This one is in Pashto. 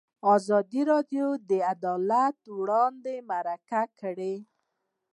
ازادي راډیو د عدالت اړوند مرکې کړي.